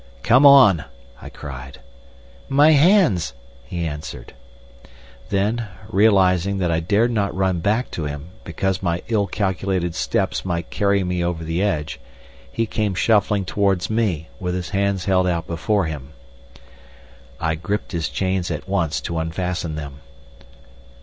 "Come on!" I cried. "My hands!" he answered. Then, realising that I dared not run back to him, because my ill calculated steps might carry me over the edge, he came shuffling towards me, with his hands held out before him. I gripped his chains at once to unfasten them.